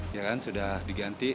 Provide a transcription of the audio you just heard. ya kan sudah diganti